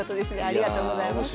ありがとうございます。